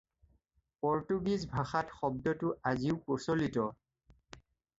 পৰ্তুগীজ ভাষাত শব্দটো আজিও প্ৰচলিত।